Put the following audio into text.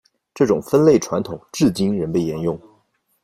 这种分类传统至今仍被沿用。